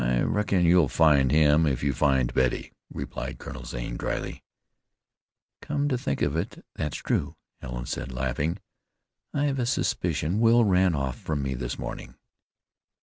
"I reckon you'll find him if you find Betty," replied Colonel Zane dryly. "Come to think of it, that's true," Helen said, laughing. "I've a suspicion Will ran off from me this morning."